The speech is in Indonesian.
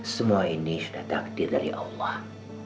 semua ini sudah takdir dari allah